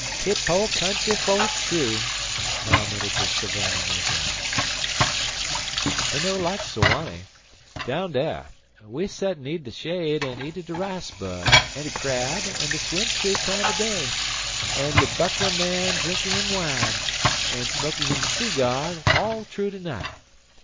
"Him po' country fer true," commented the Savannah negro; "he no like Sawanny. Down da, we set need de shade an' eaty de rice bud, an' de crab, an' de swimp tree time de day; an' de buckra man drinky him wine, an' smoky him seegyar all troo de night.